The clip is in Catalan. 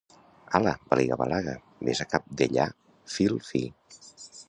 Hala, baliga-balaga, ves a cabdellar fil fi!